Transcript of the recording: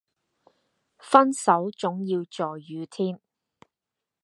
分手總要在雨天